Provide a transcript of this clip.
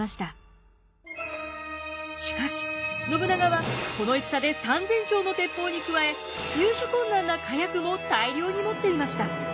しかし信長はこの戦で３，０００挺の鉄砲に加え入手困難な火薬も大量に持っていました。